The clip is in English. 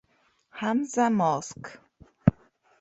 Hamza Mosque.